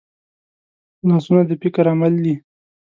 لاسونه د فکر عمل دي